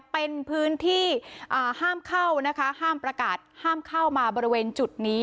เป็นพื้นที่ห้ามเข้านะคะห้ามประกาศห้ามเข้ามาบริเวณจุดนี้